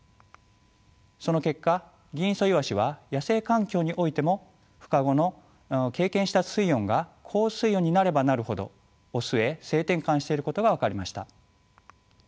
その結果ギンイソイワシは野生環境においてもふ化後の経験した水温が高水温になればなるほどオスへ性転換していることが分かりました。